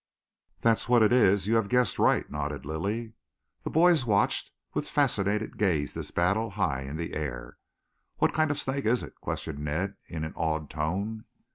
"That's what it is. You have guessed right," nodded Lilly. The boys watched with fascinated gaze this battle high in the air. "What kind of snake is it?" questioned Ned in an awed tone.